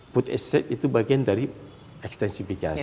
food estate itu bagian dari ekstensifikasi